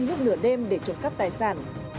lúc nửa đêm để trộm cắp tài sản